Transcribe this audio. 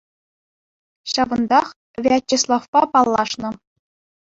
Ҫавӑнтах Вячеславпа паллашнӑ.